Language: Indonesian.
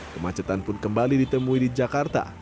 kemacetan pun kembali ditemui di jakarta